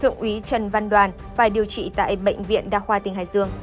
thượng úy trần văn đoàn phải điều trị tại bệnh viện đa khoa tỉnh hải dương